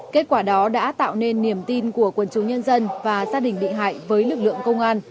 kết quả đó đã tạo nên niềm tin của quần chúng nhân dân và gia đình bị hại với lực lượng công an